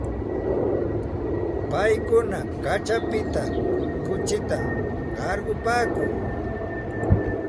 Paykuna kaćhapita kuchita qarqupaakun.